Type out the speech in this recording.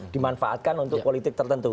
dimanfaatkan untuk politik tertentu